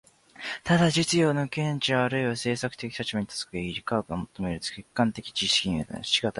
ただ実用の見地あるいは政策的立場に立つ限り、科学の求める客観的知識に達し難い。